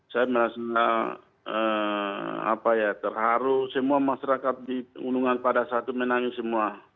saya merasa terharu semua masyarakat di pengundungan pada saat itu menangis semua